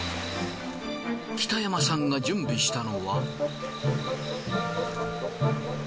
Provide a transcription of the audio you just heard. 北山さんが準備したのは。